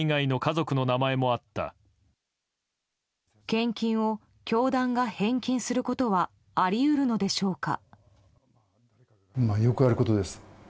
献金を教団が返金することはあり得るのでしょうか？